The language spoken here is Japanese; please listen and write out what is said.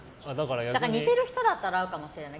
似てる人だったら合うかもしれない。